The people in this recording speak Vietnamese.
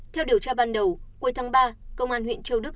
theo điều tra ban đầu cuối tháng ba công an huyện châu đức